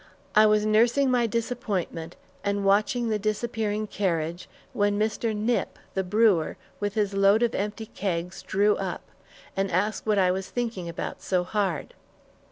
I was nursing my disappointment and watching the disappearing carriage, when Mr. Knipp, the brewer, with his load of empty kegs drew up, and asked what I was thinking about so hard.